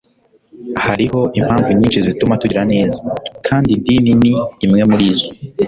hariho impamvu nyinshi zituma tugira neza, kandi idini ni imwe muri zo